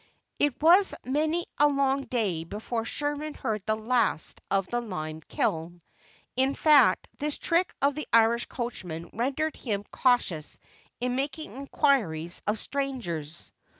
It was many a long day before Sherman heard the last of the lime kiln; in fact, this trick of the Irish coachman rendered him cautious in making inquiries of strangers.